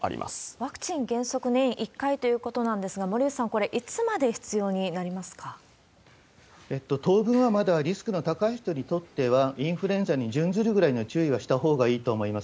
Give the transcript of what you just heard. ワクチン、原則年１回ということなんですが、森内さん、これ、当分はまだリスクの高い人にとっては、インフルエンザに準ずるぐらいの注意はしたほうがいいと思います。